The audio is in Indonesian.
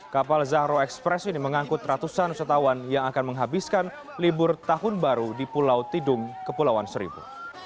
kapal zahro express ini mengangkut ratusan wisatawan yang akan menghabiskan libur tahun baru di pulau tidung kepulauan seribu